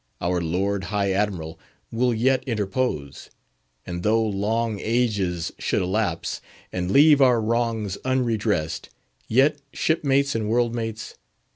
Our Lord High Admiral will yet interpose; and though long ages should elapse, and leave our wrongs unredressed, yet, shipmates and world mates!